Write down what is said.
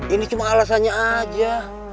ini cuma alasannya aja